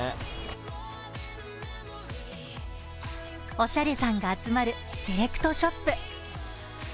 おしゃれさんが集まるセレクトショップ。